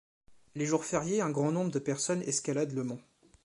Les jours fériés, un grand nombre de personnes escaladent le mont.